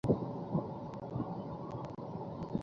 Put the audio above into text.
শামের আমীর তার নিকট তিনশত দীনার পাঠালেন।